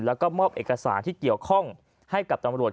แล้วก็มอบเอกสารที่เกี่ยวข้องให้กับตำรวจ